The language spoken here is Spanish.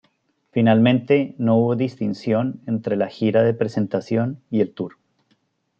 Finalmente, no hubo distinción entre la gira de presentación y el tour.